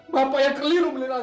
bapak yang keliru menilai saya